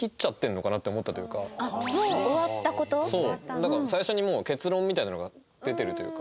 だから最初にもう結論みたいなのが出てるというか。